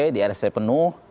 di rspp penuh